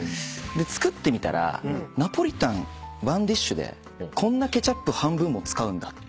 作ってみたらナポリタンワンディッシュでこんなケチャップ半分も使うんだっていう。